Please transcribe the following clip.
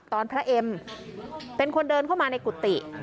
พระเอ็มเป็นคนเดินเข้ามาในกุฏิ